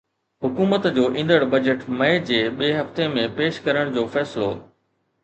حڪومت جو ايندڙ بجيٽ مئي جي ٻئي هفتي ۾ پيش ڪرڻ جو فيصلو